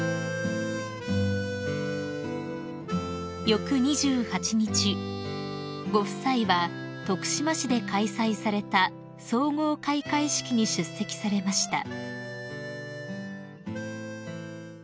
［翌２８日ご夫妻は徳島市で開催された総合開会式に出席されました］